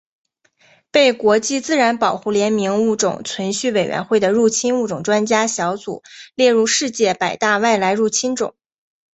被国际自然保护联盟物种存续委员会的入侵物种专家小组列入世界百大外来入侵种。